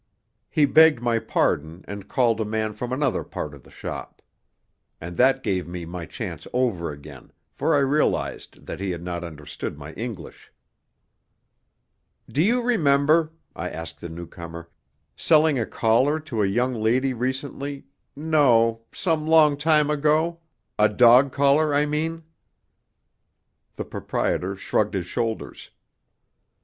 He begged my pardon and called a man from another part of the shop. And that gave me my chance over again, for I realized that he had not understood my English. "Do you remember," I asked the newcomer, "selling a collar to a young lady recently no, some long time ago a dog collar, I mean?" The proprietor shrugged his shoulders.